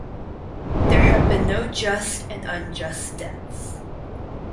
There have been no just and unjust deaths.